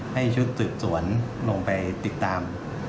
ให้ชุดสืบสวนลงไปติดตาม